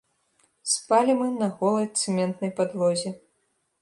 Спалі мы на голай цэментнай падлозе.